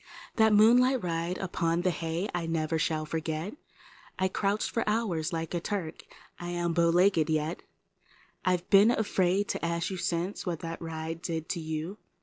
That moonlight ride upon the hay I never shall forget; I crouched for hours like a Turk, and 1 m bowlegged yet; #,, I've been afraid to ask you since what that ride did to you.